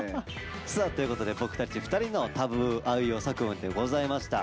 さあということで僕たち２人の「Ｔ．Ａ．Ｂ．Ｏ．Ｏ」あいうえお作文でございました。